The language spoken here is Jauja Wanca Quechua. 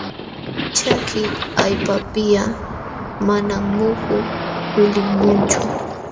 Chaki allpapiqa manam muhu yulimunchu.